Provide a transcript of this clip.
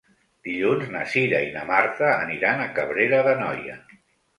Dilluns na Cira i na Marta aniran a Cabrera d'Anoia.